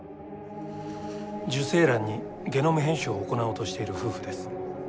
受精卵にゲノム編集を行おうとしている夫婦です。